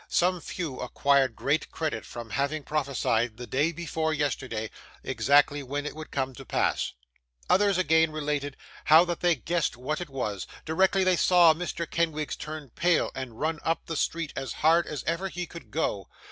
Some few acquired great credit from having prophesied, the day before yesterday, exactly when it would come to pass; others, again, related, how that they guessed what it was, directly they saw Mr. Kenwigs turn pale and run up the street as hard as ever he could go.